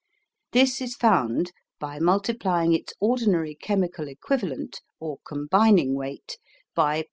This is found by multiplying its ordinary chemical equivalent or combining weight by